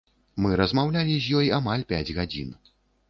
Мы размаўлялі з ёй амаль пяць гадзін.